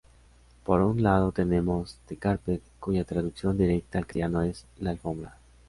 Por un lado tenemos "The Carpet" cuya traducción directa al castellano es "La Alfombra".